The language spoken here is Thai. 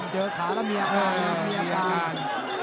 เจอขาแล้วมีอาการ